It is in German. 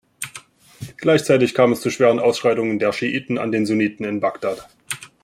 Gleichzeitig kam es zu schweren Ausschreitungen der Schiiten an den Sunniten in Bagdad.